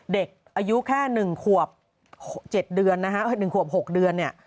เด็กอายุแค่๑ขวบ๖เดือน